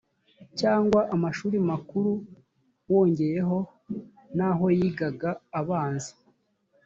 cyangwa amashuri makuru wongeyeho n’aho yigaga abanza